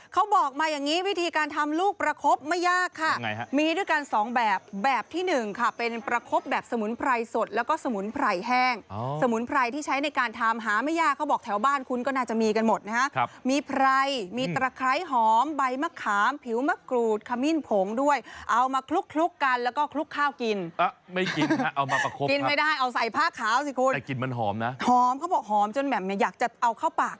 เขาบอกมาอย่างงี้วิธีการทำลูกประคบไม่ยากค่ะมีด้วยกันสองแบบแบบที่หนึ่งค่ะเป็นประคบแบบสมุนไพรสดแล้วก็สมุนไพรแห้งสมุนไพรที่ใช้ในการทำหาไม่ยากเขาบอกแถวบ้านคุณก็น่าจะมีกันหมดนะครับมีไพรมีตระไคร้หอมใบมะขามผิวมะกรูดขมิ้นโผงด้วยเอามาคลุกกันแล้วก็คลุกข้าวกินไม่กินเอามาประคบ